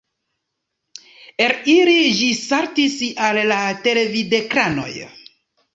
El ili ĝi saltis al la televidekranoj.